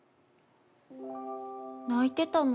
泣いてたの。